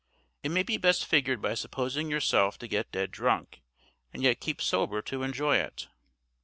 It may be best figured by supposing yourself to get dead drunk, and yet keep sober to enjoy it.